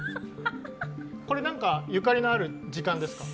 これ、何かゆかりのある時間ですか？